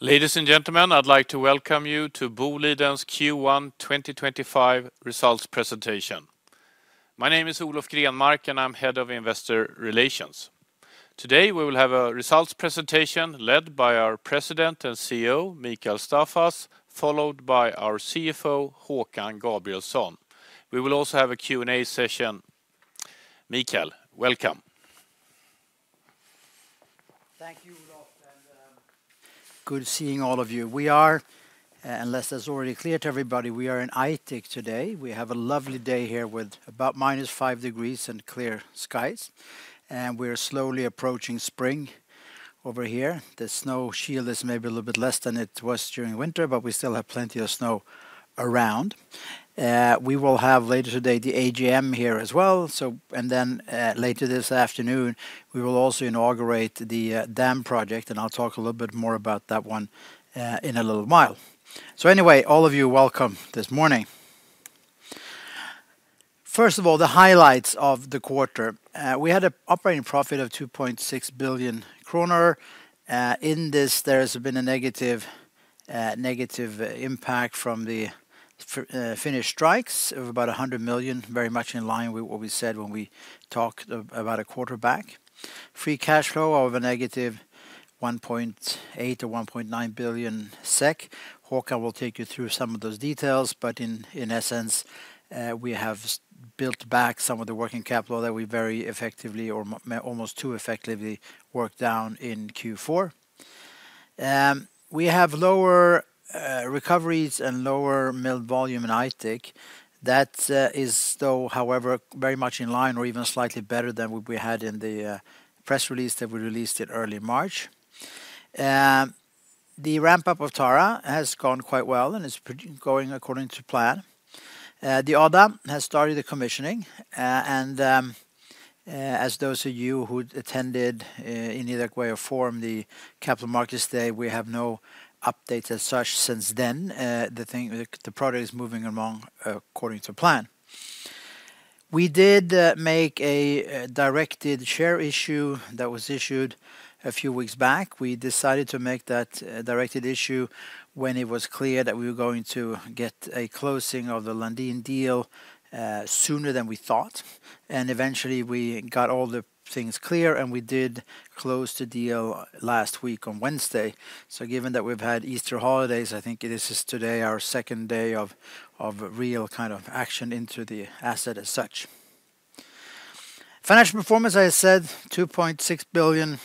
Ladies and gentlemen, I'd like to welcome you to Boliden's Q1 2025 results presentation. My name is Olof Grenmark, and I'm Head of Investor Relations. Today we will have a results presentation led by our President and CEO, Mikael Staffas, followed by our CFO, Håkan Gabrielsson. We will also have a Q&A session. Mikael, welcome. Thank you, Olof, and good seeing all of you. We are, unless that's already clear to everybody, we are in Aitik today. We have a lovely day here with about minus five degrees and clear skies, and we are slowly approaching spring over here. The snow shield is maybe a little bit less than it was during winter, but we still have plenty of snow around. We will have later today the AGM here as well, and later this afternoon we will also inaugurate the dam project, and I'll talk a little bit more about that one in a little while. Anyway, all of you, welcome this morning. First of all, the highlights of the quarter. We had an operating profit of 2.6 billion kronor. In this, there has been a negative impact from the Finnish strikes of about 100 million, very much in line with what we said when we talked about a quarter back. Free cash flow of a negative 1.8 to 1.9 billion. Håkan will take you through some of those details, but in essence, we have built back some of the working capital that we very effectively, or almost too effectively, worked down in Q4. We have lower recoveries and lower milled volume in Aitik. That is, though, however, very much in line or even slightly better than what we had in the press release that we released in early March. The ramp-up of Tara has gone quite well, and it's going according to plan. The Odda has started the commissioning, and as those of you who attended in either way or form the capital markets day, we have no updates as such since then. The product is moving along according to plan. We did make a directed share issue that was issued a few weeks back. We decided to make that directed issue when it was clear that we were going to get a closing of the Lundin deal sooner than we thought. Eventually, we got all the things clear, and we did close the deal last week on Wednesday. Given that we've had Easter holidays, I think this is today our second day of real kind of action into the asset as such. Financial performance, I said, 2.6 billion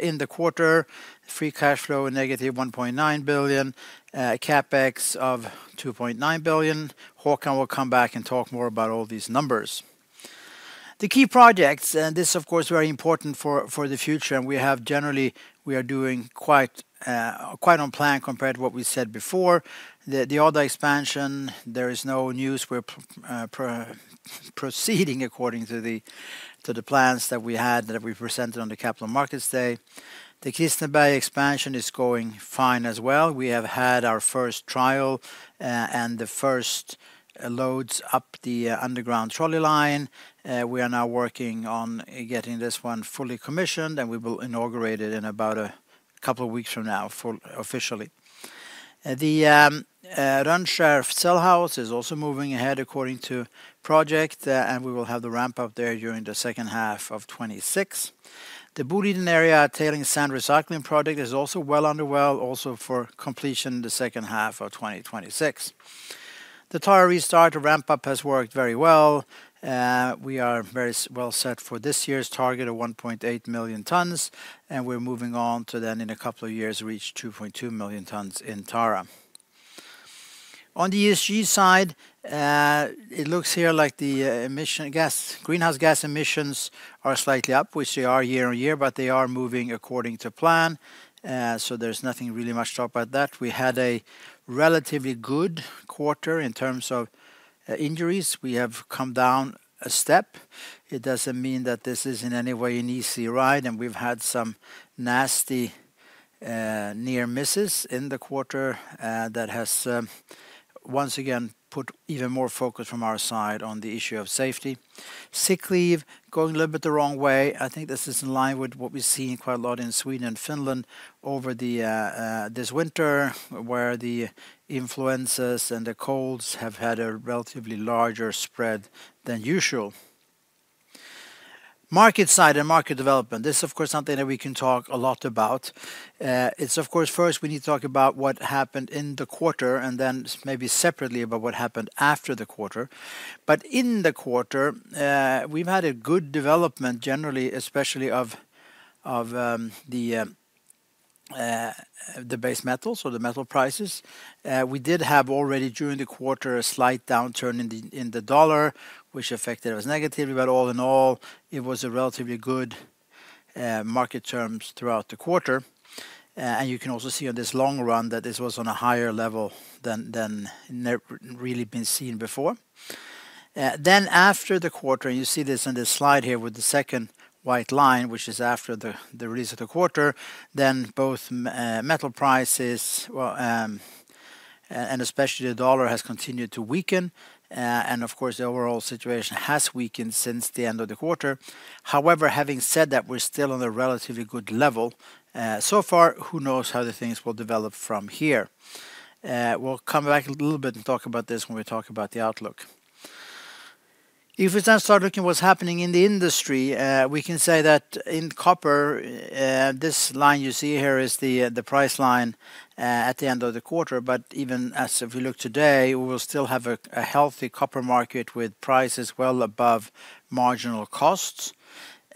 in the quarter, free cash flow negative 1.9 billion, CapEx of 2.9 billion. Håkan will come back and talk more about all these numbers. The key projects, and this is of course very important for the future, and we have generally, we are doing quite on plan compared to what we said before. The Odda expansion, there is no news. We're proceeding according to the plans that we had, that we presented on the capital markets day. The Kokkola expansion is going fine as well. We have had our first trial and the first loads up the underground trolley line. We are now working on getting this one fully commissioned, and we will inaugurate it in about a couple of weeks from now officially. The Rönnskär Cell House is also moving ahead according to project, and we will have the ramp-up there during the second half of 2026. The Boliden area tailing sand recycling project is also well underway, also for completion in the second half of 2026. The Tara restart ramp-up has worked very well. We are very well set for this year's target of 1.8 million tons, and we're moving on to then in a couple of years reach 2.2 million tons in Tara. On the ESG side, it looks here like the greenhouse gas emissions are slightly up, which they are year on year, but they are moving according to plan, so there's nothing really much to talk about that. We had a relatively good quarter in terms of injuries. We have come down a step. It doesn't mean that this is in any way an easy ride, and we've had some nasty near-misses in the quarter that has once again put even more focus from our side on the issue of safety. Sick leave going a little bit the wrong way. I think this is in line with what we've seen quite a lot in Sweden and Finland over this winter, where the influenzas and the colds have had a relatively larger spread than usual. Market side and market development, this is of course something that we can talk a lot about. It is of course, first we need to talk about what happened in the quarter, and then maybe separately about what happened after the quarter. In the quarter, we've had a good development generally, especially of the base metals or the metal prices. We did have already during the quarter a slight downturn in the dollar, which affected us negatively, but all in all, it was a relatively good market terms throughout the quarter. You can also see on this long run that this was on a higher level than really been seen before. After the quarter, and you see this on this slide here with the second white line, which is after the release of the quarter, both metal prices, and especially the dollar, have continued to weaken. Of course, the overall situation has weakened since the end of the quarter. However, having said that, we're still on a relatively good level. So far, who knows how things will develop from here. We'll come back a little bit and talk about this when we talk about the outlook. If we then start looking at what's happening in the industry, we can say that in copper, this line you see here is the price line at the end of the quarter. Even as if we look today, we will still have a healthy copper market with prices well above marginal costs.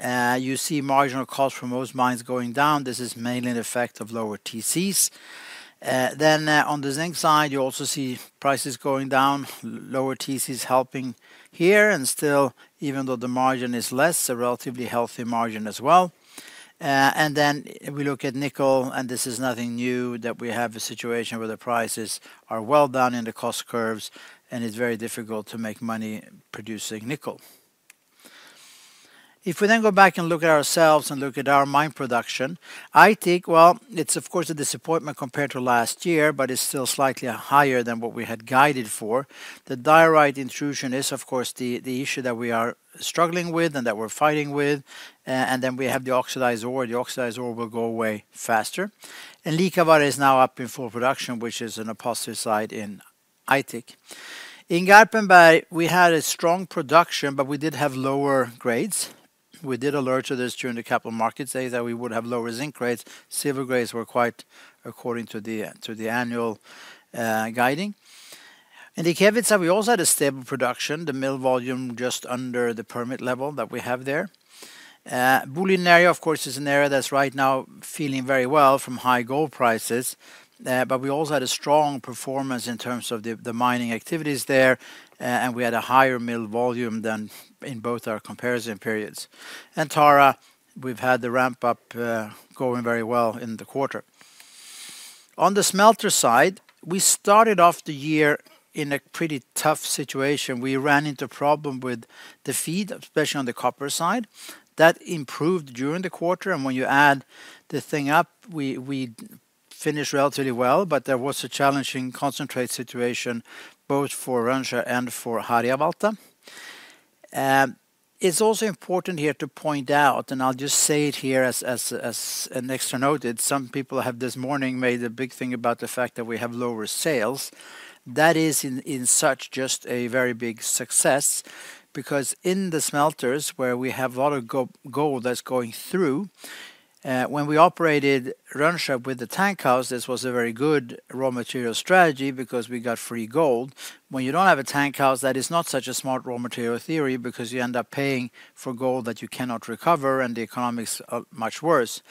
You see marginal costs for most mines going down. This is mainly an effect of lower TCs. On the zinc side, you also see prices going down, lower TCs helping here, and still, even though the margin is less, a relatively healthy margin as well. When we look at nickel, this is nothing new that we have a situation where the prices are well down in the cost curves, and it's very difficult to make money producing nickel. If we then go back and look at ourselves and look at our mine production, I think, well, it's of course a disappointment compared to last year, but it's still slightly higher than what we had guided for. The diorite intrusion is of course the issue that we are struggling with and that we're fighting with, and we have the oxidized ore. The oxidized ore will go away faster. And Liikavaara is now up in full production, which is an apostaside in Aitik. In Garpenberg, we had a strong production, but we did have lower grades. We did alert to this during the capital markets day that we would have lower zinc grades. Silver grades were quite according to the annual guiding. In Kevitsa, we also had a stable production, the mill volume just under the permit level that we have there. Boliden area, of course, is an area that's right now feeling very well from high gold prices, but we also had a strong performance in terms of the mining activities there, and we had a higher mill volume than in both our comparison periods. Tara, we've had the ramp-up going very well in the quarter. On the smelter side, we started off the year in a pretty tough situation. We ran into a problem with the feed, especially on the copper side. That improved during the quarter, and when you add the thing up, we finished relatively well, but there was a challenging concentrate situation both for Rönnskär and for Harjavalta. It's also important here to point out, and I'll just say it here as an extra note, that some people have this morning made a big thing about the fact that we have lower sales. That is in such just a very big success because in the smelters where we have a lot of gold that's going through, when we operated Rönnskär with the tankhouse, this was a very good raw material strategy because we got free gold. When you do not have a tankhouse, that is not such a smart raw material theory because you end up paying for gold that you cannot recover, and the economics are much worse.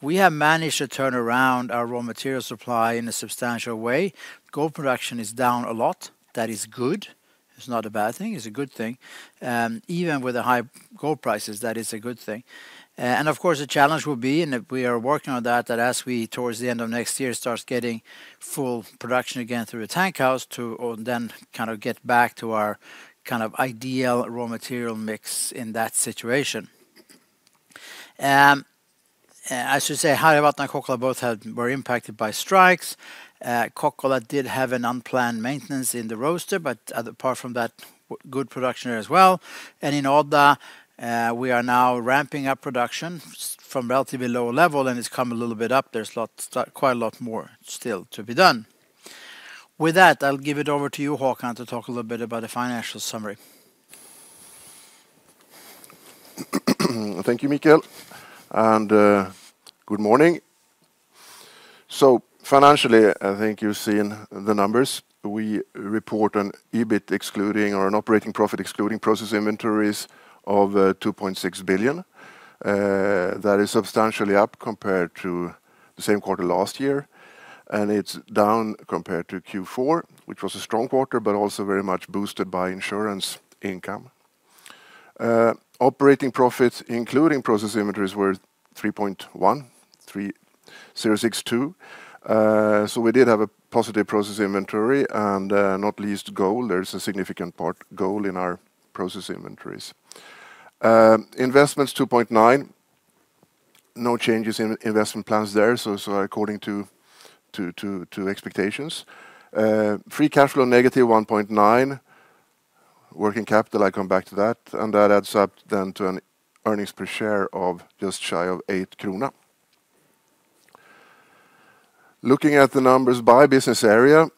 We have managed to turn around our raw material supply in a substantial way. Gold production is down a lot. That is good. It is not a bad thing. It is a good thing. Even with the high gold prices, that is a good thing. Of course, the challenge will be, and we are working on that, that as we towards the end of next year start getting full production again through a tankhouse to then kind of get back to our kind of ideal raw material mix in that situation. I should say Harjavalta and Kokkola both were impacted by strikes. Kokkola did have an unplanned maintenance in the roaster, but apart from that, good production there as well. In Odda, we are now ramping up production from a relatively low level, and it has come a little bit up. There is quite a lot more still to be done. With that, I'll give it over to you, Håkan, to talk a little bit about the financial summary. Thank you, Mikael, and good morning. Financially, I think you've seen the numbers. We report an EBIT excluding or an operating profit excluding process inventories of 2.6 billion. That is substantially up compared to the same quarter last year, and it's down compared to Q4, which was a strong quarter, but also very much boosted by insurance income. Operating profits, including process inventories, were 3.1 billion, 0.62 billion. We did have a positive process inventory, and not least gold. There's a significant part gold in our process inventories. Investments, 2.9 billion. No changes in investment plans there, so according to expectations. Free cash flow, negative 1.9 billion. Working capital, I come back to that, and that adds up then to an earnings per share of just shy of 8 krona... Looking at the numbers by business area,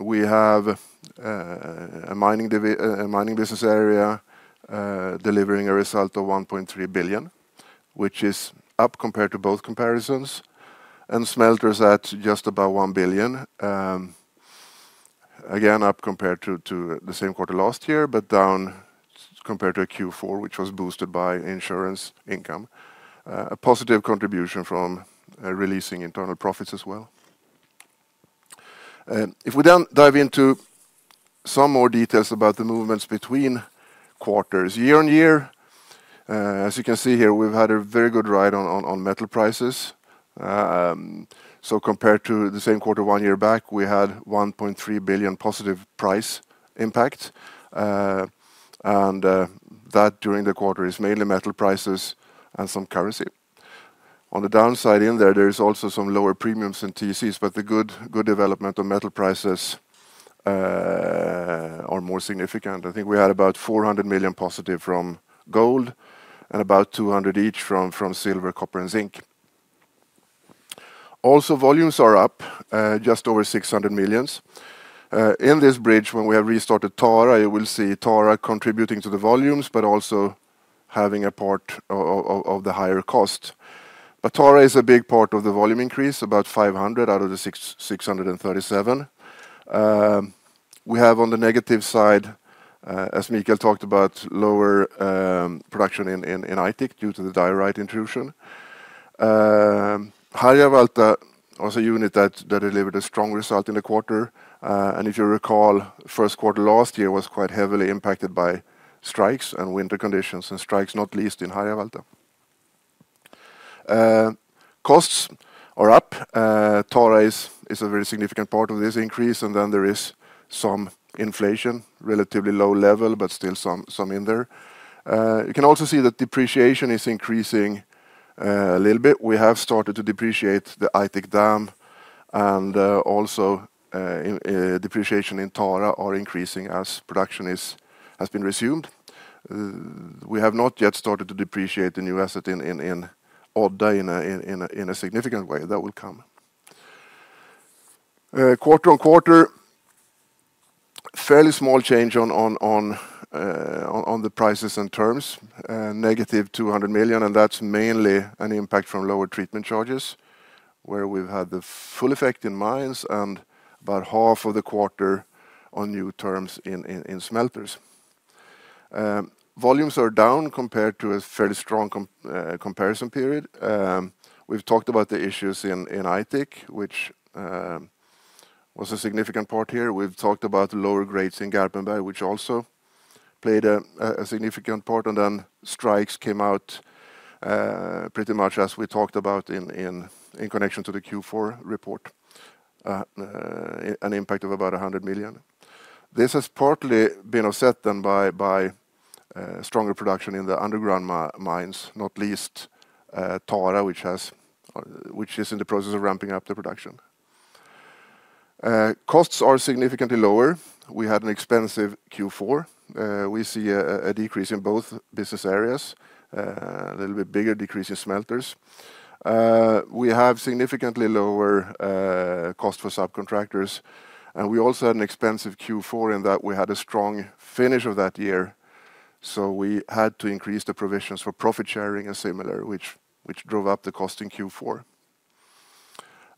we have a mining business area delivering a result of 1.3 billion, which is up compared to both comparisons, and smelters at just about 1 billion. Again, up compared to the same quarter last year, but down compared to Q4, which was boosted by insurance income. A positive contribution from releasing internal profits as well. If we then dive into some more details about the movements between quarters, year on year, as you can see here, we have had a very good ride on metal prices. Compared to the same quarter one year back, we had 1.3 billion positive price impact, and that during the quarter is mainly metal prices and some currency. On the downside in there, there is also some lower premiums and TCs, but the good development of metal prices are more significant. I think we had about 400 million positive from gold and about 200 million each from silver, copper, and zinc. Also, volumes are up just over 600 million. In this bridge, when we have restarted Tara, you will see Tara contributing to the volumes, but also having a part of the higher cost. Tara is a big part of the volume increase, about 500 out of the 637. We have on the negative side, as Mikael talked about, lower production in Aitik due to the diorite intrusion. Harjavalta was a unit that delivered a strong result in the quarter, and if you recall, Q1 last year was quite heavily impacted by strikes and winter conditions and strikes, not least in Harjavalta. Costs are up. Tara is a very significant part of this increase, and then there is some inflation, relatively low level, but still some in there. You can also see that depreciation is increasing a little bit. We have started to depreciate the Aitik dam, and also depreciation in Tara are increasing as production has been resumed. We have not yet started to depreciate the new asset in Odda in a significant way. That will come. Quarter on quarter, fairly small change on the prices and terms, negative 200 million, and that's mainly an impact from lower treatment charges, where we've had the full effect in mines and about half of the quarter on new terms in smelters. Volumes are down compared to a fairly strong comparison period. We've talked about the issues in Aitik, which was a significant part here. We've talked about lower grades in Garpenberg, which also played a significant part, and then strikes came out pretty much as we talked about in connection to the Q4 report, an impact of about 100 million. This has partly been offset then by stronger production in the underground mines, not least Tara, which is in the process of ramping up the production. Costs are significantly lower. We had an expensive Q4. We see a decrease in both business areas, a little bit bigger decrease in smelters. We have significantly lower cost for subcontractors, and we also had an expensive Q4 in that we had a strong finish of that year, so we had to increase the provisions for profit sharing and similar, which drove up the cost in Q4.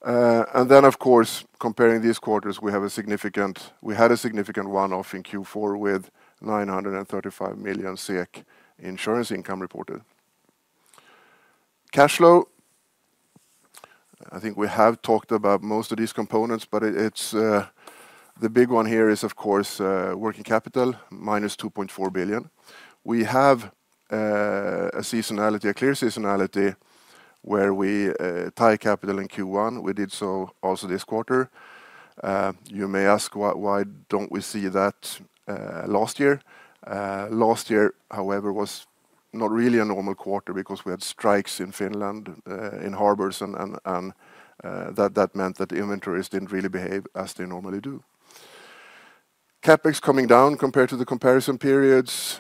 Of course, comparing these quarters, we had a significant one-off in Q4 with 935 million SEK insurance income reported. Cash flow, I think we have talked about most of these components, but the big one here is, of course, working capital, minus 2.4 billion. We have a clear seasonality where we tie capital in Q1. We did so also this quarter. You may ask why do not we see that last year. Last year, however, was not really a normal quarter because we had strikes in Finland, in harbors, and that meant that the inventories did not really behave as they normally do. CapEx coming down compared to the comparison periods.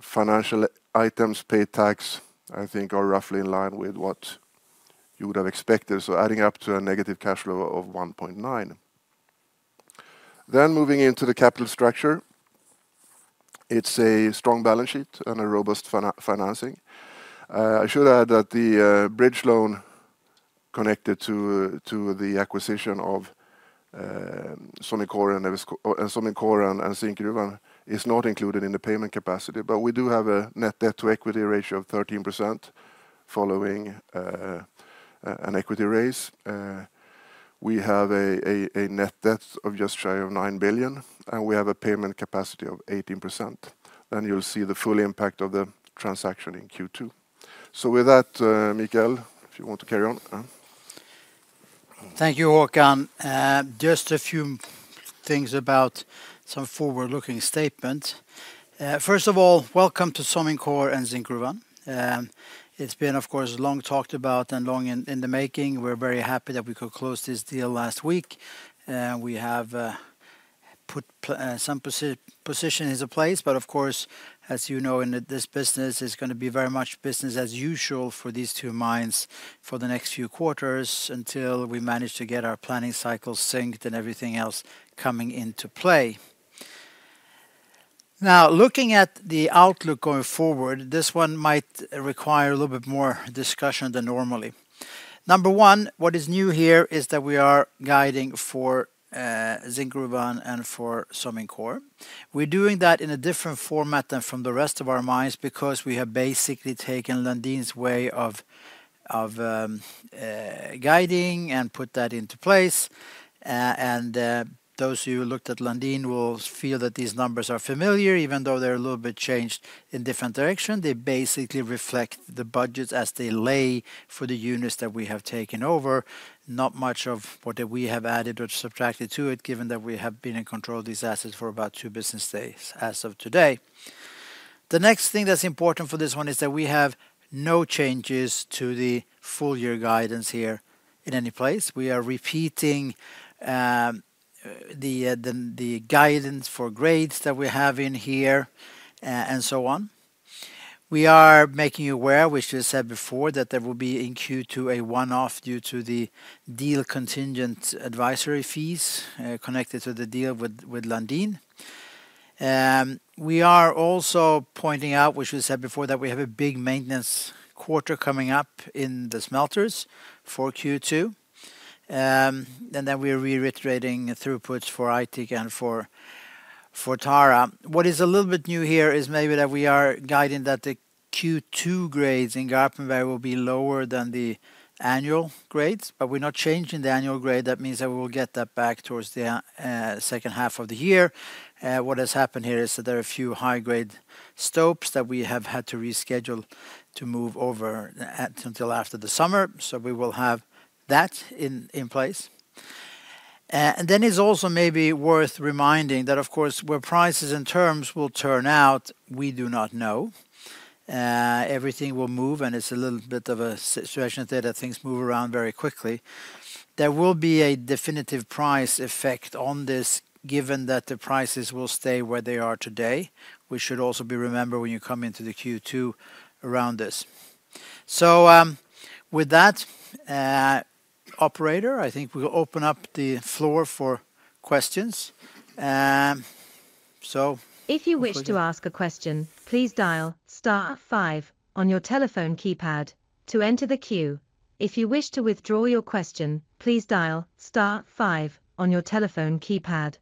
Financial items paid tax, I think, are roughly in line with what you would have expected, adding up to a negative cash flow of 1.9 billion. Moving into the capital structure, it is a strong balance sheet and a robust financing. I should add that the bridge loan connected to the acquisition of Somincor and Zinkgruvan is not included in the payment capacity, but we do have a net debt to equity ratio of 13% following an equity raise. We have a net debt of just shy of 9 billion, and we have a payment capacity of 18%. You will see the full impact of the transaction in Q2. With that, Mikael, if you want to carry on. Thank you, Håkan. Just a few things about some forward-looking statements. First of all, welcome to Somincor and Zinkgruvan. It's been, of course, long talked about and long in the making. We're very happy that we could close this deal last week. We have put some position in its place, but of course, as you know, in this business, it's going to be very much business as usual for these two mines for the next few quarters until we manage to get our planning cycle synced and everything else coming into play. Now, looking at the outlook going forward, this one might require a little bit more discussion than normally. Number one, what is new here is that we are guiding for Zinkgruvan and for Somincor. We're doing that in a different format than from the rest of our mines because we have basically taken Lundin's way of guiding and put that into place. Those of you who looked at Lundin will feel that these numbers are familiar, even though they're a little bit changed in different direction. They basically reflect the budgets as they lay for the units that we have taken over, not much of what we have added or subtracted to it, given that we have been in control of these assets for about two business days as of today. The next thing that's important for this one is that we have no changes to the full year guidance here in any place. We are repeating the guidance for grades that we're having here and so on. We are making you aware, which we said before, that there will be in Q2 a one-off due to the deal contingent advisory fees connected to the deal with Lundin. We are also pointing out, which we said before, that we have a big maintenance quarter coming up in the smelters for Q2, and we are reiterating throughputs for Aitik and for Tara. What is a little bit new here is maybe that we are guiding that the Q2 grades in Garpenberg will be lower than the annual grades, but we're not changing the annual grade. That means that we will get that back towards the second half of the year. What has happened here is that there are a few high-grade stopes that we have had to reschedule to move over until after the summer, so we will have that in place. It is also maybe worth reminding that, of course, where prices and terms will turn out, we do not know. Everything will move, and it is a little bit of a situation there that things move around very quickly. There will be a definitive price effect on this given that the prices will stay where they are today, which should also be remembered when you come into the Q2 around this. With that, operator, I think we will open up the floor for questions. If you wish to ask a question, please dial star five on your telephone keypad to enter the queue. If you wish to withdraw your question, please dial star five on your telephone keypad.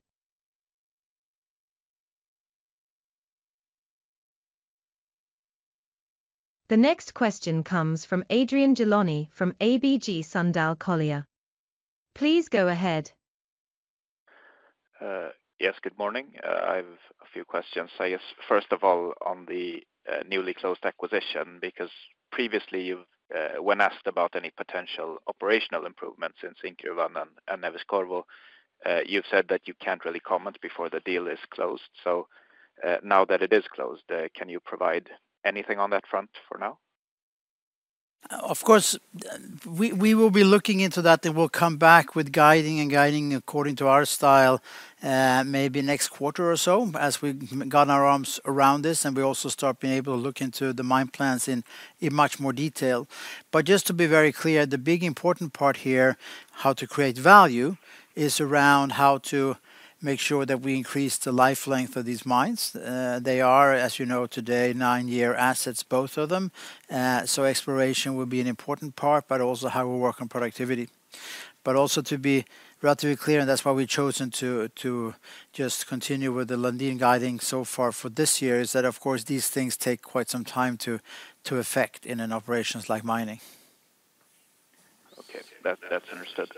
The next question comes from Adrian Gilani from ABG Sundal Collier. Please go ahead. Yes, good morning. I have a few questions. First of all, on the newly closed acquisition, because previously, when asked about any potential operational improvements in Zinkgruvan and Neves-Corvo, you've said that you can't really comment before the deal is closed. Now that it is closed, can you provide anything on that front for now? Of course, we will be looking into that. They will come back with guiding and guiding according to our style, maybe next quarter or so, as we got our arms around this, and we also start being able to look into the mine plans in much more detail. Just to be very clear, the big important part here, how to create value, is around how to make sure that we increase the life length of these mines. They are, as you know, today, nine-year assets, both of them. Exploration will be an important part, but also how we work on productivity. Also, to be relatively clear, and that's why we've chosen to just continue with the Lundin guiding so far for this year, is that, of course, these things take quite some time to affect in operations like mining. Okay, that's understood.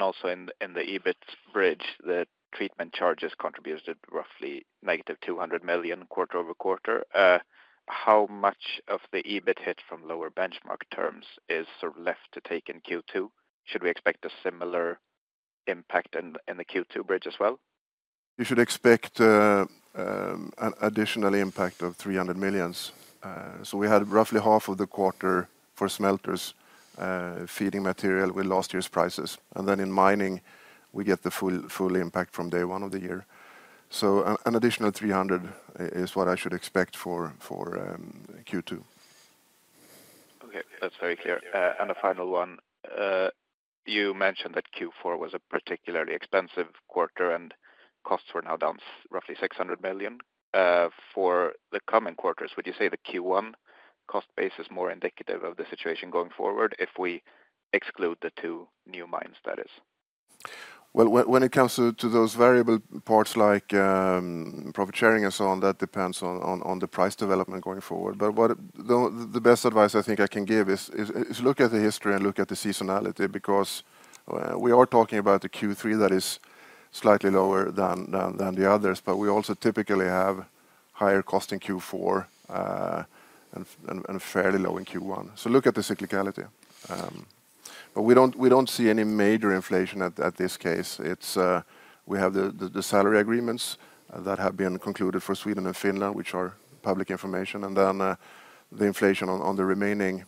Also, in the EBIT bridge, the treatment charges contributed roughly negative 200 million quarter over quarter. How much of the EBIT hit from lower benchmark terms is sort of left to take in Q2? Should we expect a similar impact in the Q2 bridge as well? You should expect an additional impact of 300 million. We had roughly half of the quarter for smelters feeding material with last year's prices. In mining, we get the full impact from day one of the year. An additional 300 million is what I should expect for Q2. Okay, that's very clear. A final one, you mentioned that Q4 was a particularly expensive quarter and costs were now down roughly 600 million. For the coming quarters, would you say the Q1 cost base is more indicative of the situation going forward if we exclude the two new mines, that is? When it comes to those variable parts like profit sharing and so on, that depends on the price development going forward. The best advice I think I can give is look at the history and look at the seasonality because we are talking about a Q3 that is slightly lower than the others, but we also typically have higher cost in Q4 and fairly low in Q1. Look at the cyclicality. We do not see any major inflation at this case. We have the salary agreements that have been concluded for Sweden and Finland, which are public information, and then the inflation on the remaining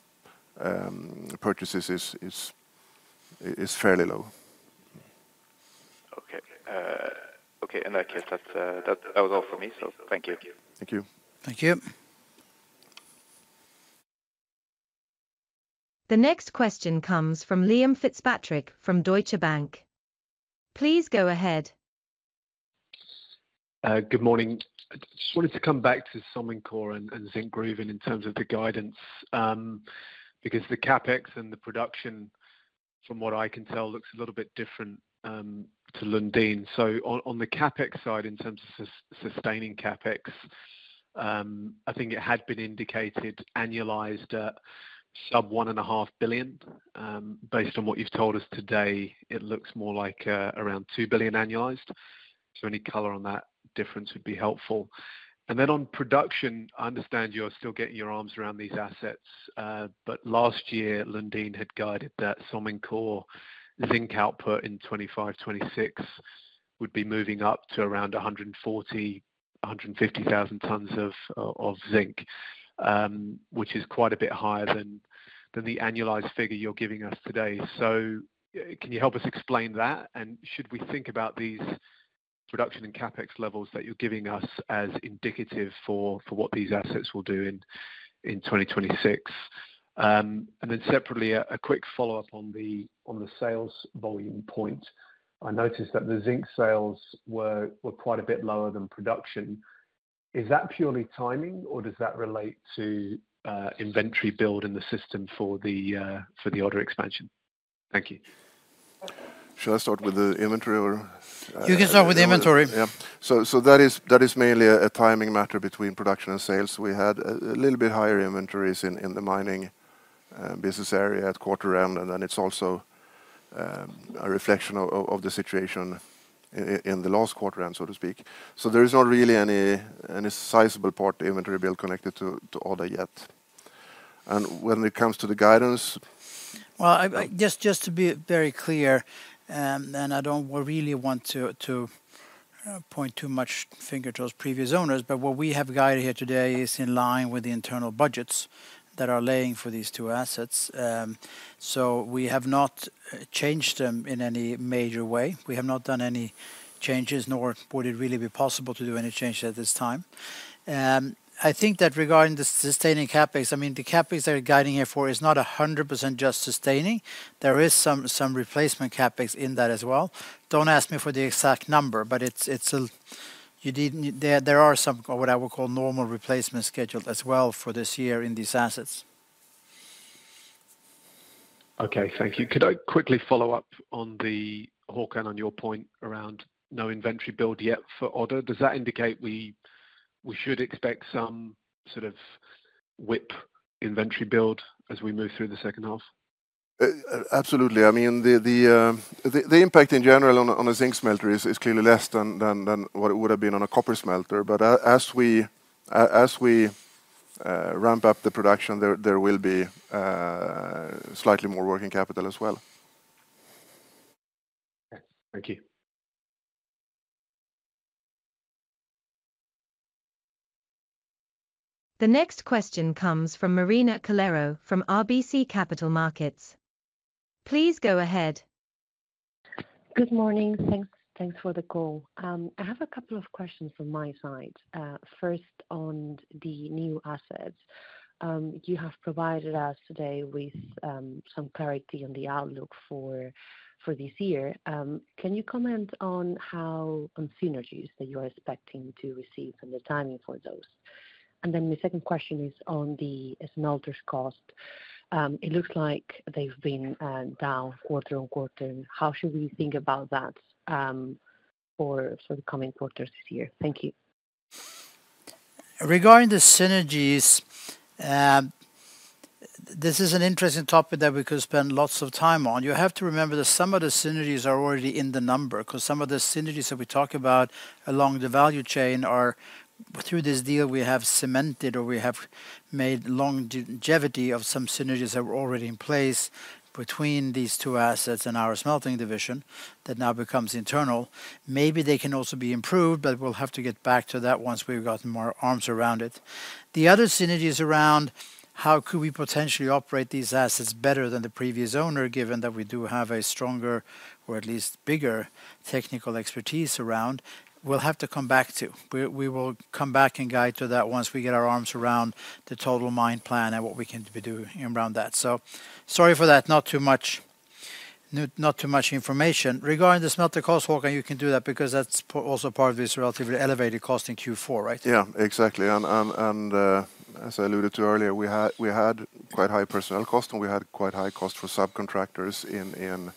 purchases is fairly low. Okay, in that case, that was all for me, so thank you. Thank you. Thank you. The next question comes from Liam Fitzpatrick from Deutsche Bank. Please go ahead. Good morning. I just wanted to come back to Somincor and Zinkgruvan in terms of the guidance because the CapEx and the production, from what I can tell, looks a little bit different to Lundin. On the CapEx side, in terms of sustaining CapEx, I think it had been indicated annualized at sub 1.5 billion. Based on what you've told us today, it looks more like around 2 billion annualized. Any color on that difference would be helpful. On production, I understand you're still getting your arms around these assets, but last year, Lundin had guided that Somincor zinc output in 2025 to 2026 would be moving up to around 140,000 tons to 150,000 tons of zinc, which is quite a bit higher than the annualized figure you're giving us today. Can you help us explain that? Should we think about these production and CapEx levels that you're giving us as indicative for what these assets will do in 2026? A quick follow-up on the sales volume point. I noticed that the zinc sales were quite a bit lower than production. Is that purely timing, or does that relate to inventory build in the system for the Odda expansion? Thank you. Should I start with the inventory or? You can start with the inventory. Yeah. That is mainly a timing matter between production and sales. We had a little bit higher inventories in the mining business area at quarter end, and then it's also a reflection of the situation in the last quarter end, so to speak. There is not really any sizable part inventory build connected to order yet. When it comes to the guidance. Just to be very clear, and I do not really want to point too much finger to those previous owners, but what we have guided here today is in line with the internal budgets that are laying for these two assets. We have not changed them in any major way. We have not done any changes, nor would it really be possible to do any changes at this time. I think that regarding the sustaining CapEx, I mean, the CapEx that we are guiding here for is not 100% just sustaining. There is some replacement CapEx in that as well. Do not ask me for the exact number, but there are some what I would call normal replacements scheduled as well for this year in these assets. Okay, thank you. Could I quickly follow up on the, Håkan, on your point around no inventory build yet for Odda? Does that indicate we should expect some sort of WIP inventory build as we move through the second half? Absolutely. I mean, the impact in general on a zinc smelter is clearly less than what it would have been on a copper smelter, but as we ramp up the production, there will be slightly more working capital as well. Thank you. The next question comes from Marina Calero from RBC Capital Markets. Please go ahead. Good morning. Thanks for the call. I have a couple of questions from my side. First, on the new assets, you have provided us today with some clarity on the outlook for this year. Can you comment on how on synergies that you are expecting to receive and the timing for those? My second question is on the smelter's cost. It looks like they've been down quarter on quarter. How should we think about that for the coming quarters this year? Thank you. Regarding the synergies, this is an interesting topic that we could spend lots of time on. You have to remember that some of the synergies are already in the number because some of the synergies that we talk about along the value chain are through this deal we have cemented or we have made longevity of some synergies that were already in place between these two assets and our smelting division that now becomes internal. Maybe they can also be improved, but we'll have to get back to that once we've gotten more arms around it. The other synergies around how could we potentially operate these assets better than the previous owner, given that we do have a stronger or at least bigger technical expertise around, we'll have to come back to. We will come back and guide to that once we get our arms around the total mine plan and what we can do around that. Sorry for that, not too much information. Regarding the smelter cost, Håkan, you can do that because that's also part of this relatively elevated cost in Q4, right? Yeah, exactly. As I alluded to earlier, we had quite high personnel cost and we had quite high cost for subcontractors in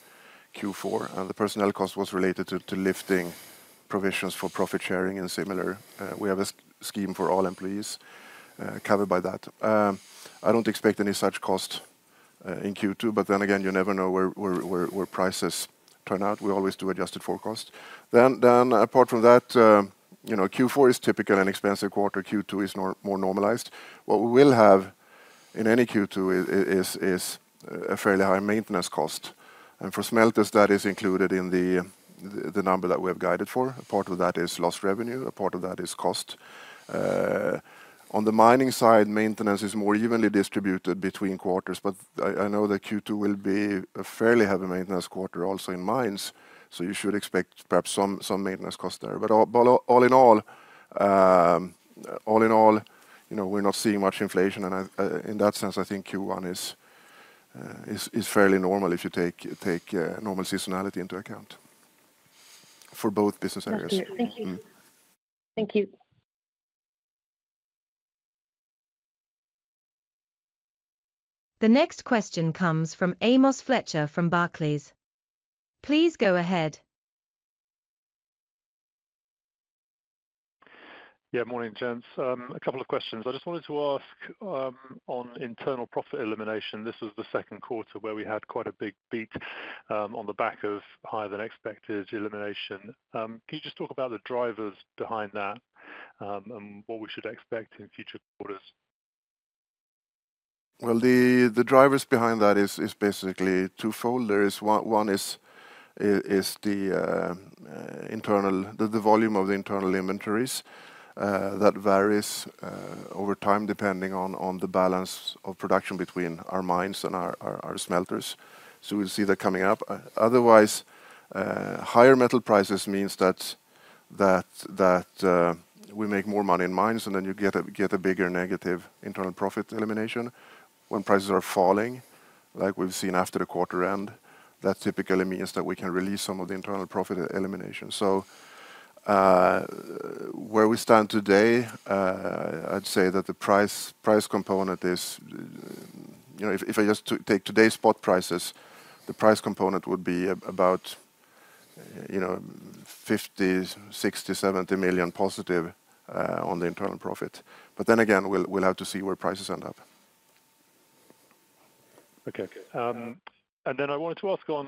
Q4. The personnel cost was related to lifting provisions for profit sharing and similar. We have a scheme for all employees covered by that. I do not expect any such cost in Q2, but then again, you never know where prices turn out. We always do adjusted forecast. Apart from that, Q4 is typically an expensive quarter. Q2 is more normalized. What we will have in any Q2 is a fairly high maintenance cost. For smelters, that is included in the number that we have guided for. A part of that is lost revenue. A part of that is cost. On the mining side, maintenance is more evenly distributed between quarters, but I know that Q2 will be a fairly heavy maintenance quarter also in mines, so you should expect perhaps some maintenance cost there. All in all, we're not seeing much inflation, and in that sense, I think Q1 is fairly normal if you take normal seasonality into account for both business areas. Thank you. Thank you. The next question comes from Amos Fletcher from Barclays. Please go ahead. Yeah, morning, gents. A couple of questions. I just wanted to ask on internal profit elimination. This was the Q2 where we had quite a big beat on the back of higher-than-expected elimination. Can you just talk about the drivers behind that and what we should expect in future quarters? The drivers behind that is basically two folders. One is the volume of the internal inventories that varies over time depending on the balance of production between our mines and our smelters. You will see that coming up. Otherwise, higher metal prices means that we make more money in mines, and then you get a bigger negative internal profit elimination. When prices are falling, like we have seen after the quarter end, that typically means that we can release some of the internal profit elimination. Where we stand today, I would say that the price component is if I just take today's spot prices, the price component would be about 50 million, 60 million, 70 million positive on the internal profit. Again, we will have to see where prices end up. Okay. I wanted to ask on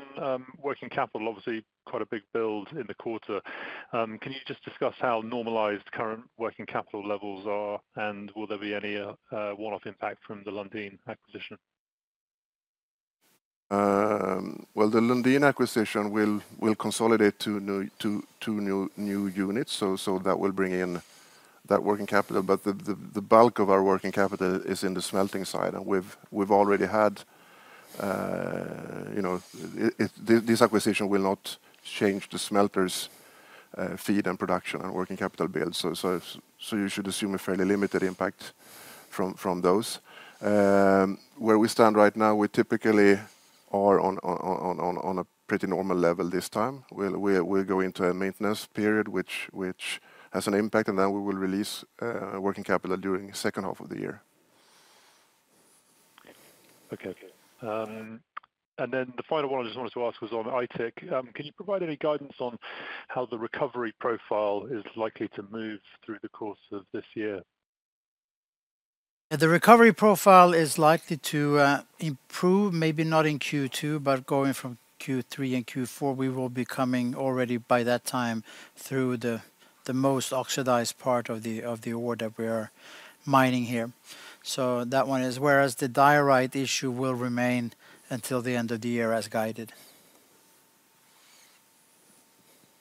working capital, obviously quite a big build in the quarter. Can you just discuss how normalized current working capital levels are, and will there be any one-off impact from the Lundin acquisition? The Lundin acquisition will consolidate two new units, so that will bring in that working capital. The bulk of our working capital is in the smelting side, and we've already had this acquisition will not change the smelter's feed and production and working capital build. You should assume a fairly limited impact from those. Where we stand right now, we typically are on a pretty normal level this time. We'll go into a maintenance period, which has an impact, and then we will release working capital during the second half of the year. Okay. The final one I just wanted to ask was on Aitik. Can you provide any guidance on how the recovery profile is likely to move through the course of this year? The recovery profile is likely to improve, maybe not in Q2, but going from Q3 and Q4, we will be coming already by that time through the most oxidized part of the ore we are mining here. That one is, whereas the diorite issue will remain until the end of the year as guided.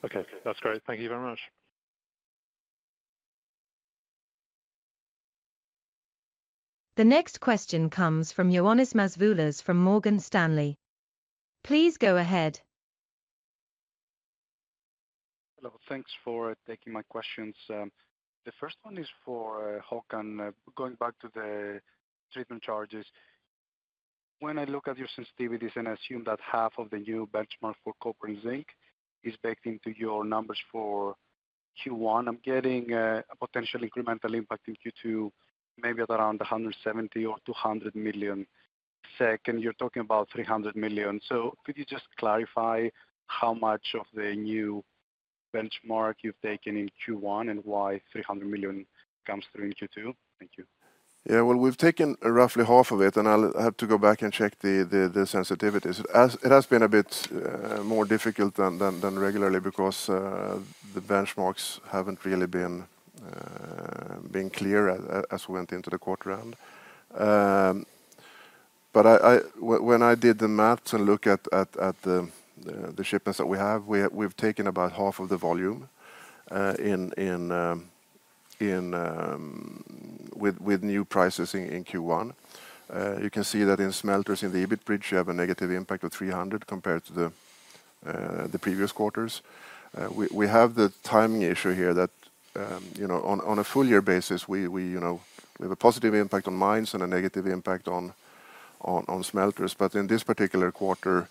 Okay. That's great. Thank you very much. The next question comes from Ioannis Masvoulas from Morgan Stanley. Please go ahead. Hello. Thanks for taking my questions. The first one is for Håkan, going back to the treatment charges. When I look at your sensitivities and assume that half of the new benchmark for copper and zinc is baked into your numbers for Q1, I'm getting a potential incremental impact in Q2, maybe at around 170 million or 200 million SEK. Second, you're talking about 300 million. Could you just clarify how much of the new benchmark you've taken in Q1 and why 300 million comes through in Q2? Thank you. Yeah, we've taken roughly half of it, and I'll have to go back and check the sensitivities. It has been a bit more difficult than regularly because the benchmarks have not really been clear as we went into the quarter end. When I did the maths and looked at the shipments that we have, we've taken about half of the volume with new prices in Q1. You can see that in smelters in the EBIT bridge, you have a negative impact of 300 million compared to the previous quarters. We have the timing issue here that on a full year basis, we have a positive impact on mines and a negative impact on smelters. In this particular quarter,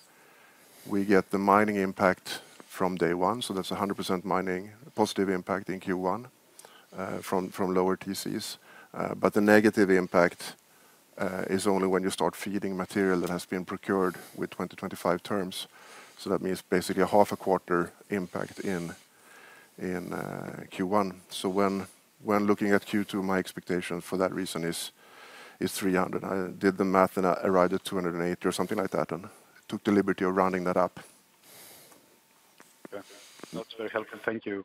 we get the mining impact from day one. That is 100% mining positive impact in Q1 from lower TCs. The negative impact is only when you start feeding material that has been procured with 2025 terms. That means basically a half a quarter impact in Q1. When looking at Q2, my expectation for that reason is 300 million. I did the math, and I arrived at 280 million or something like that and took the liberty of rounding that up. That's very helpful. Thank you.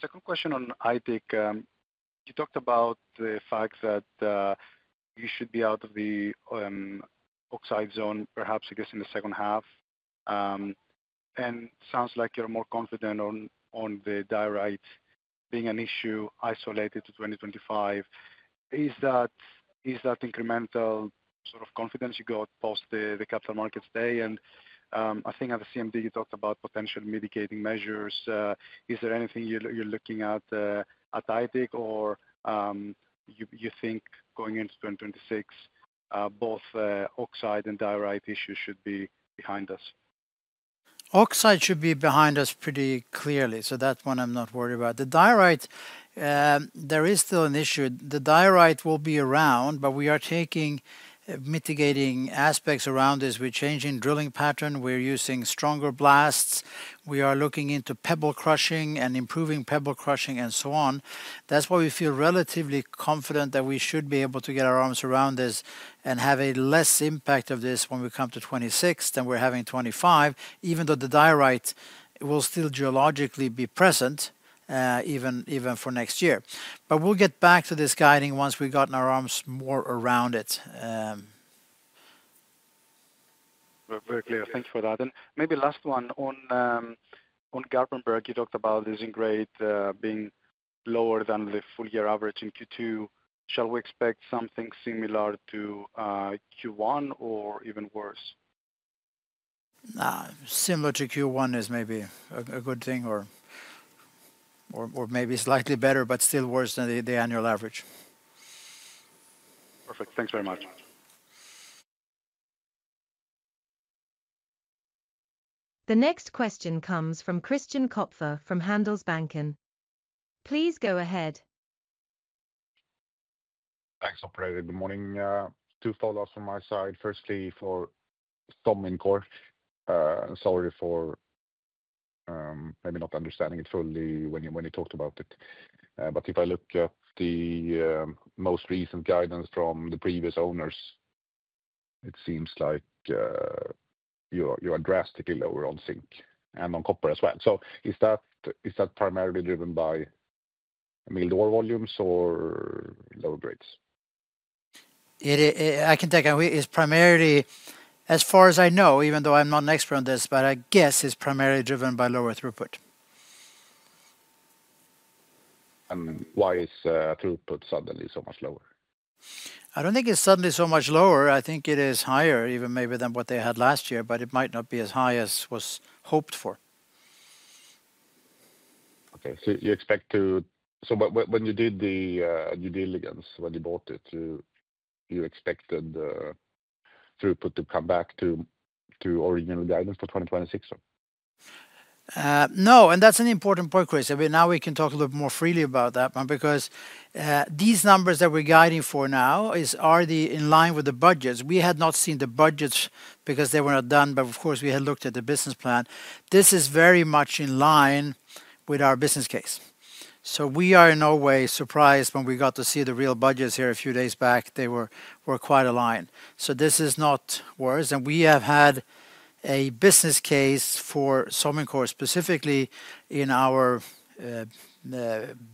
Second question on Aitik. You talked about the fact that you should be out of the oxide zone perhaps I guess in the second half. It sounds like you're more confident on the diorite being an issue isolated to 2025. Is that incremental sort of confidence you got post the capital markets day? I think at the CMD, you talked about potential mitigating measures. Is there anything you're looking at Aitik or you think going into 2026 both oxide and diorite issues should be behind us? Oxide should be behind us pretty clearly. That one I'm not worried about. The diorite, there is still an issue. The diorite will be around, but we are taking mitigating aspects around this. We're changing drilling pattern. We're using stronger blasts. We are looking into pebble crushing and improving pebble crushing and so on. That's why we feel relatively confident that we should be able to get our arms around this and have less impact of this when we come to 2026 than we're having 2025, even though the diorite will still geologically be present even for next year. We'll get back to this guiding once we've gotten our arms more around it. Very clear. Thanks for that. Maybe last one on Garpenberg, you talked about you said grade being lower than the full year average in Q2. Shall we expect something similar to Q1 or even worse? Similar to Q1 is maybe a good thing or maybe slightly better, but still worse than the annual average. Perfect. Thanks very much. The next question comes from Christian Kopfer from Handelsbanken. Please go ahead. Thanks, Operator. Good morning. Two follow-ups from my side. Firstly, for Somincor. Sorry for maybe not understanding it fully when you talked about it. If I look at the most recent guidance from the previous owners, it seems like you are drastically lower on zinc and on copper as well. Is that primarily driven by milled ore volumes or lower grades? I can take on. It's primarily, as far as I know, even though I'm not an expert on this, but I guess it's primarily driven by lower throughput. Why is throughput suddenly so much lower? I don't think it's suddenly so much lower. I think it is higher even maybe than what they had last year, but it might not be as high as was hoped for. Okay. You expect to, so when you did the due diligence, when you bought it, you expected throughput to come back to original guidance for 2026? No. That is an important point, Chris. I mean, now we can talk a little bit more freely about that because these numbers that we are guiding for now are in line with the budgets. We had not seen the budgets because they were not done, but of course, we had looked at the business plan. This is very much in line with our business case. We are in no way surprised when we got to see the real budgets here a few days back. They were quite aligned. This is not worse. We have had a business case for Somincor specifically in our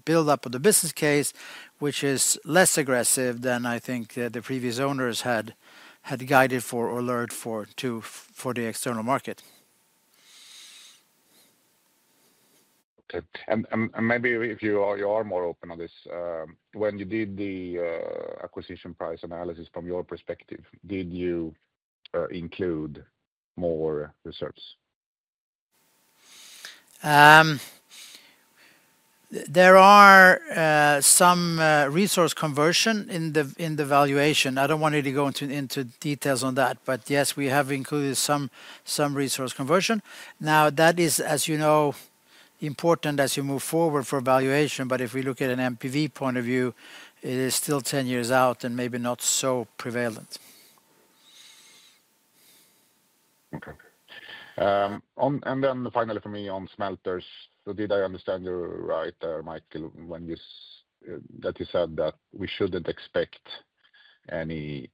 build-up of the business case, which is less aggressive than I think the previous owners had guided for or learned for the external market. Okay. Maybe if you are more open on this, when you did the acquisition price analysis from your perspective, did you include more reserves? There are some resource conversion in the valuation. I do not want you to go into details on that, but yes, we have included some resource conversion. Now, that is, as you know, important as you move forward for valuation, but if we look at an NPV point of view, it is still 10 years out and maybe not so prevalent. Okay. Finally for me on smelters, did I understand you right, Mikael, that you said that we shouldn't expect any,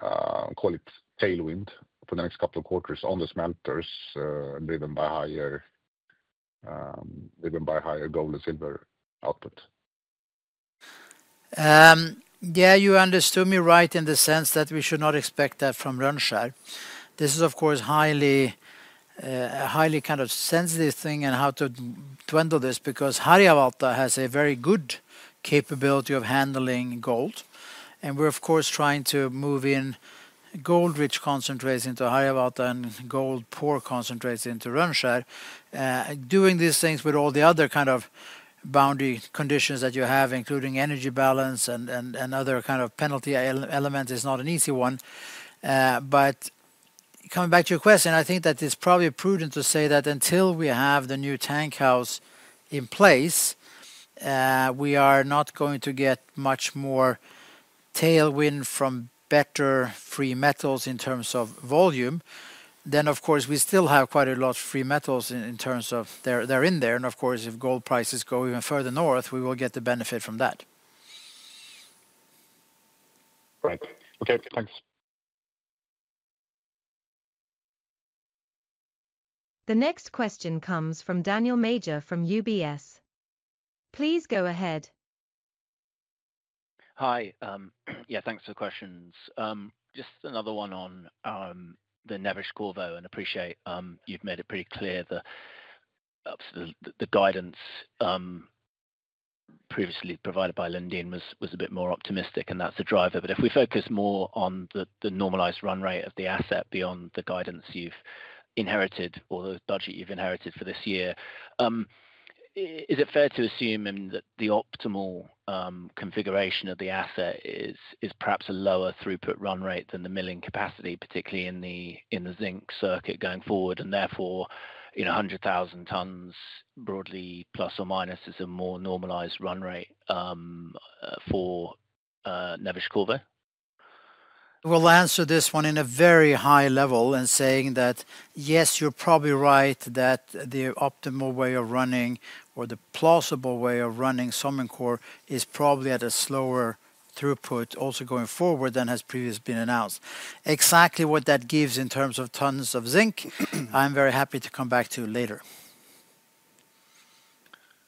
call it tailwind for the next couple of quarters on the smelters driven by higher gold and silver output? Yeah, you understood me right in the sense that we should not expect that from Rönnskär. This is, of course, a highly kind of sensitive thing and how to dwindle this because Harjavalta has a very good capability of handling gold. And we're, of course, trying to move in gold-rich concentrates into Harjavalta and gold-poor concentrates into Rönnskär. Doing these things with all the other kind of boundary conditions that you have, including energy balance and other kind of penalty elements, is not an easy one. Coming back to your question, I think that it's probably prudent to say that until we have the new tankhouse in place, we are not going to get much more tailwind from better free metals in terms of volume. Of course, we still have quite a lot of free metals in terms of they're in there. Of course, if gold prices go even further north, we will get the benefit from that. Right. Okay. Thanks. The next question comes from Daniel Major from UBS. Please go ahead. Hi. Yeah, thanks for the questions. Just another one on the Neves-Corvo, and appreciate you've made it pretty clear that the guidance previously provided by Lundin was a bit more optimistic, and that's a driver. If we focus more on the normalized run rate of the asset beyond the guidance you've inherited or the budget you've inherited for this year, is it fair to assume that the optimal configuration of the asset is perhaps a lower throughput run rate than the milling capacity, particularly in the zinc circuit going forward, and therefore 100,000 tons broadly plus or minus is a more normalized run rate for Neves-Corvo? We'll answer this one in a very high level and saying that, yes, you're probably right that the optimal way of running or the plausible way of running Somincor is probably at a slower throughput also going forward than has previously been announced. Exactly what that gives in terms of tons of zinc, I'm very happy to come back to later.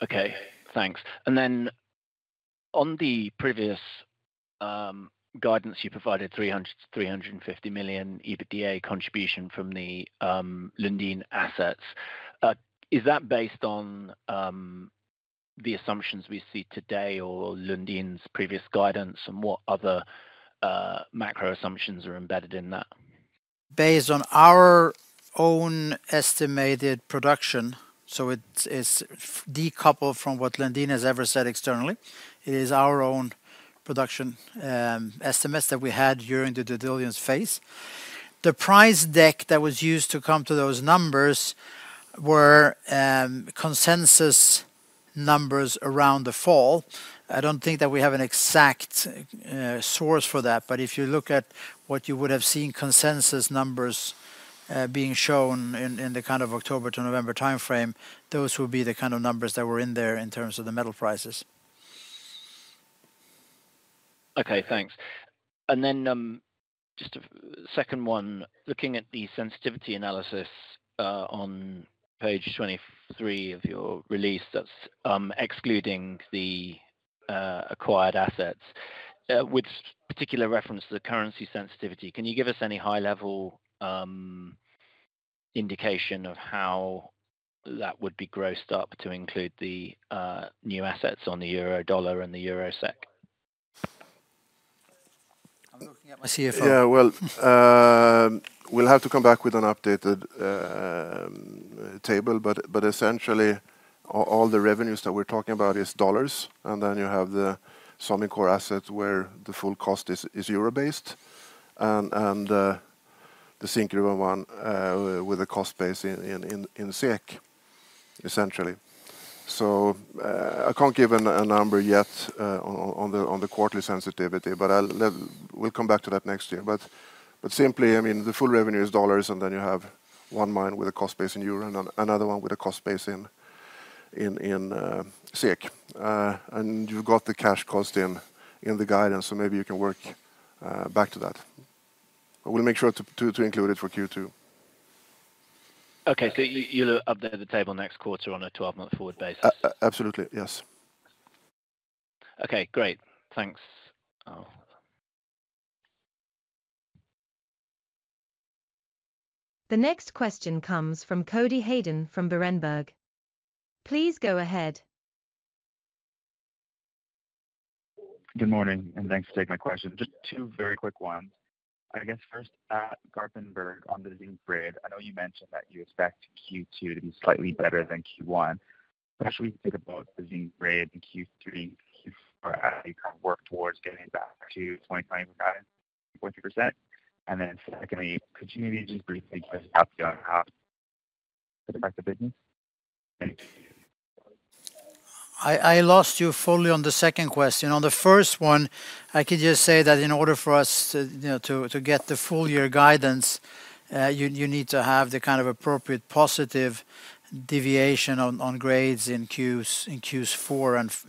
Okay. Thanks. On the previous guidance, you provided $350 million EBITDA contribution from the Lundin assets. Is that based on the assumptions we see today or Lundin's previous guidance, and what other macro assumptions are embedded in that? Based on our own estimated production. It is decoupled from what Lundin has ever said externally. It is our own production estimates that we had during the due diligence phase. The price deck that was used to come to those numbers were consensus numbers around the fall. I do not think that we have an exact source for that, but if you look at what you would have seen consensus numbers being shown in the kind of October to November timeframe, those will be the kind of numbers that were in there in terms of the metal prices. Okay. Thanks. Just a second one. Looking at the sensitivity analysis on page 23 of your release, that's excluding the acquired assets, with particular reference to the currency sensitivity, can you give us any high-level indication of how that would be grossed up to include the new assets on the euro dollar and the euro SEK? I'm looking at my CFO. Yeah. We will have to come back with an updated table, but essentially all the revenues that we are talking about is dollars, and then you have the Somincor assets where the full cost is euro-based and the Zinkgruvan one with a cost base in SEK, essentially. I cannot give a number yet on the quarterly sensitivity, but we will come back to that next year. Simply, I mean, the full revenue is dollars, and then you have one mine with a cost base in euro and another one with a cost base in SEK. You have the cash cost in the guidance, so maybe you can work back to that. I will make sure to include it for Q2. Okay. You'll update the table next quarter on a 12-month forward basis? Absolutely. Yes. Okay. Great. Thanks. The next question comes from Cody Hayden from Berenberg. Please go ahead. Good morning and thanks for taking my question. Just two very quick ones. I guess first, at Garpenberg on the zinc grade, I know you mentioned that you expect Q2 to be slightly better than Q1. How should we think about the zinc grade in Q3 and Q4 as you kind of work towards getting back to 2020 with that 40%? And then secondly, could you maybe just briefly give us a CapEx on how to affect the business? I lost you fully on the second question. On the first one, I could just say that in order for us to get the full year guidance, you need to have the kind of appropriate positive deviation on grades in Q3 and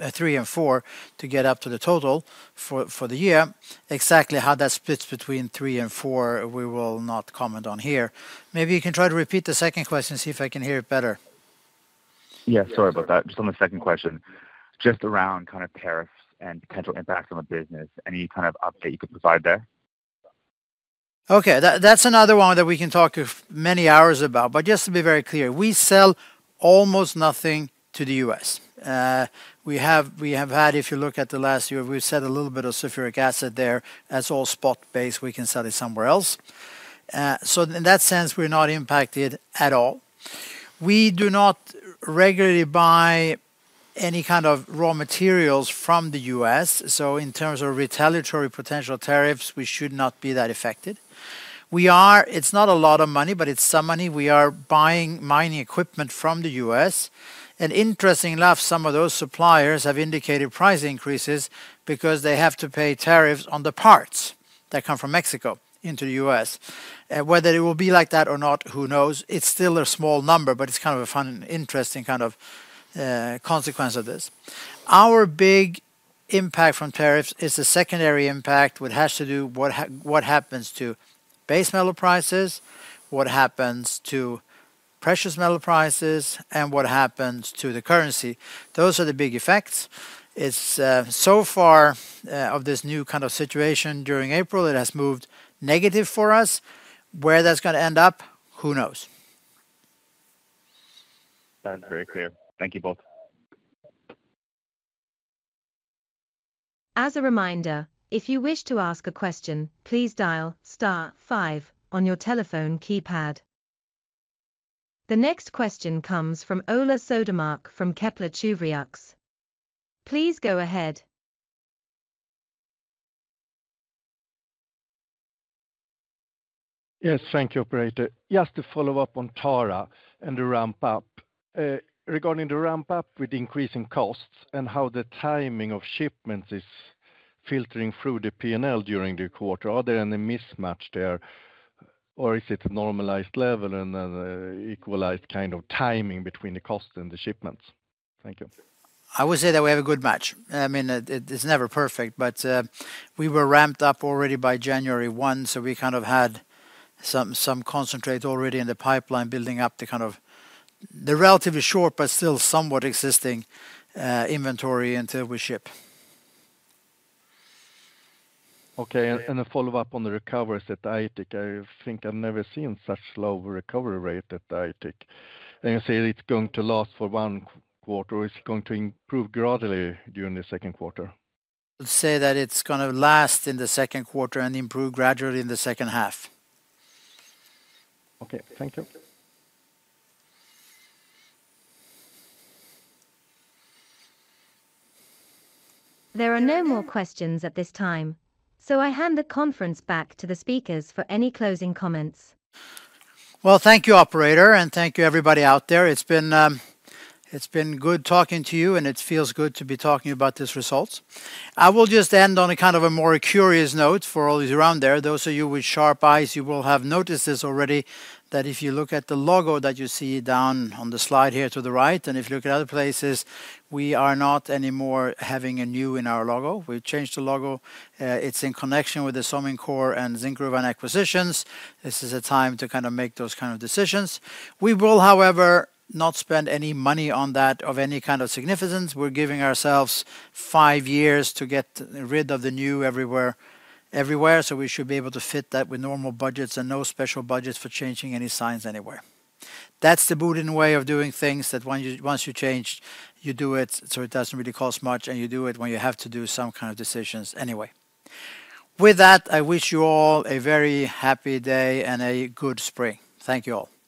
Q4 to get up to the total for the year. Exactly how that splits between Q3 and Q4, we will not comment on here. Maybe you can try to repeat the second question and see if I can hear it better. Yeah. Sorry about that. Just on the second question, just around kind of tariffs and potential impacts on the business, any kind of update you could provide there? Okay. That's another one that we can talk many hours about, but just to be very clear, we sell almost nothing to the US We have had, if you look at the last year, we've sold a little bit of sulfuric acid there. That's all spot-based. We can sell it somewhere else. In that sense, we're not impacted at all. We do not regularly buy any kind of raw materials from the US In terms of retaliatory potential tariffs, we should not be that affected. It's not a lot of money, but it's some money. We are buying mining equipment from the US Interestingly enough, some of those suppliers have indicated price increases because they have to pay tariffs on the parts that come from Mexico into the US Whether it will be like that or not, who knows? It's still a small number, but it's kind of an interesting kind of consequence of this. Our big impact from tariffs is a secondary impact which has to do with what happens to base metal prices, what happens to precious metal prices, and what happens to the currency. Those are the big effects. So far of this new kind of situation during April, it has moved negative for us. Where that's going to end up, who knows? Sounds very clear. Thank you both. As a reminder, if you wish to ask a question, please dial star five on your telephone keypad. The next question comes from Ola Södermark from Kepler Cheuvreux. Please go ahead. Yes. Thank you, Operator. Just to follow up on Tara and the ramp-up. Regarding the ramp-up with increasing costs and how the timing of shipments is filtering through the P&L during the quarter, are there any mismatch there, or is it a normalized level and an equalized kind of timing between the cost and the shipments? Thank you. I would say that we have a good match. I mean, it's never perfect, but we were ramped up already by 1 January 2025, so we kind of had some concentrate already in the pipeline building up to kind of the relatively short but still somewhat existing inventory until we ship. Okay. A follow-up on the recoveries at Aitik. I think I've never seen such a low recovery rate at Aitik. You say it's going to last for one quarter or it's going to improve gradually during the Q2? Say that it's going to last in the Q2 and improve gradually in the second half. Okay. Thank you. There are no more questions at this time, so I hand the conference back to the speakers for any closing comments. Thank you, Operator, and thank you, everybody out there. It's been good talking to you, and it feels good to be talking about these results. I will just end on a kind of a more curious note for all of you around there. Those of you with sharp eyes, you will have noticed this already, that if you look at the logo that you see down on the slide here to the right, and if you look at other places, we are not anymore having a new in our logo. We've changed the logo. It's in connection with the Somincor and Zinkgruvan acquisitions. This is a time to kind of make those kind of decisions. We will, however, not spend any money on that of any kind of significance. We're giving ourselves five years to get rid of the new everywhere, so we should be able to fit that with normal budgets and no special budgets for changing any signs anywhere. That's the Boliden way of doing things that once you change, you do it, so it doesn't really cost much, and you do it when you have to do some kind of decisions anyway. With that, I wish you all a very happy day and a good spring. Thank you all.